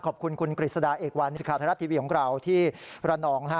ขอบคุณคุณกลิศดาเอกวันสถาทรัฐทีวีของเราที่ระนอง